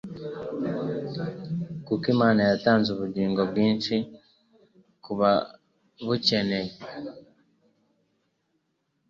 kuko Imana yatanze ubugingo bwinshi ku babukencye.